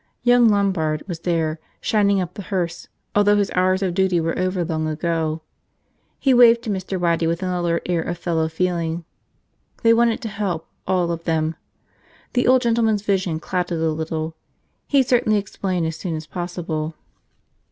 Young Lombard was there, shining up the hearse although his hours of duty were over long ago. He waved to Mr. Waddy with an alert air of fellow feeling. They wanted to help, all of them. The old gentleman's vision clouded a little. He'd certainly explain as soon as possible.